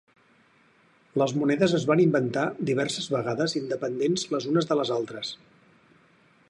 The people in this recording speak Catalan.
Les monedes es van inventar diverses vegades independents les unes de les altres.